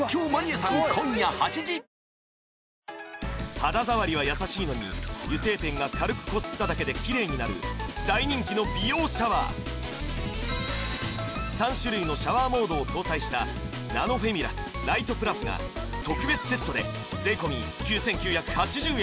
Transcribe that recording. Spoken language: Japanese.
肌触りは優しいのに油性ペンが軽くこすっただけでキレイになる大人気の美容シャワー３種類のシャワーモードを搭載したナノフェミラス・ライトプラスが特別セットで税込９９８０円